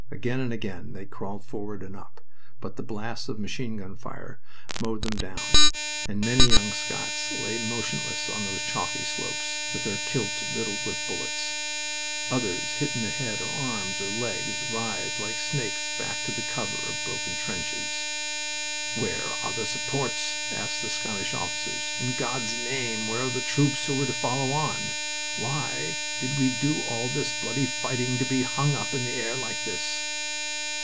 Again and again they crawled forward and up, but the blasts of machine gun fire mowed them down, and many young Scots lay motionless on those chalky slopes, with their kilts riddled with bullets. Others, hit in the head, or arms, or legs, writhed like snakes back to the cover of broken trenches. "Where are the supports?" asked the Scottish officers. "In God's name, where are the troops who were to follow on? Why did we do all this bloody fighting to be hung up in the air like this?"